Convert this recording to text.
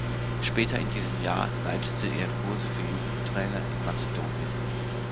Später in diesem Jahr leitete er Kurse für Jugendtrainer in Mazedonien.